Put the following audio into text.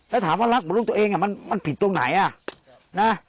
แล้วถามว่ารักเหมือนลูกตัวเองมันผิดตรงไหนอ่ะนะ